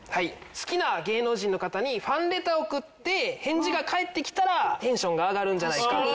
好きな芸能人の方にファンレターを送って返事が返ってきたらテンションが上がるんじゃないかと。